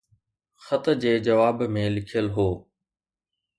خط جي جواب ۾ لکيل هو.